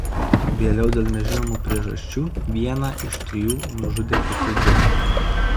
Vėliau dėl nežinomų priežasčių vieną iš trijų nužudė kiti du.